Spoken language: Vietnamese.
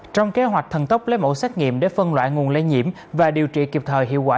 trong kế hoạch thần tốc lấy mẫu xét nghiệm để phân loại nguồn lây nhiễm và điều trị kịp thời hiệu quả